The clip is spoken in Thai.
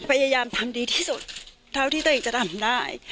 พยายามทำดีที่สุดเท่าที่ตัวเองจะทำได้